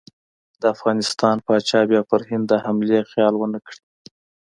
د افغانستان پاچا بیا پر هند د حملې خیال ونه کړي.